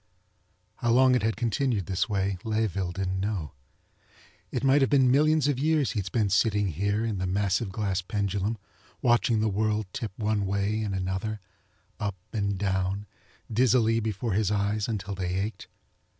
How long it had continued this way Layeville didn't know. It might have been millions of years he'd spent sitting here in the massive glass pendulum watching the world tip one way and another, up and down, dizzily before his eyes until they ached.